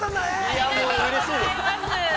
◆いや、もううれしいです。